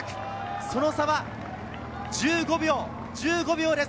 その差は１５秒、１５秒です。